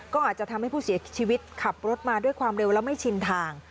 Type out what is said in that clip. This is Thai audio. ก็อาจจะทำให้ผู้เสียชีวิตขับรถมาด้วยความเร็วแล้วไม่ชินทาง